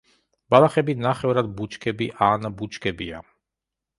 ბალახები, ნახევრად ბუჩქები ან ბუჩქებია.